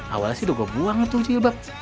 awalnya sih udah gue buang tuh jilbab